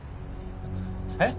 えっ？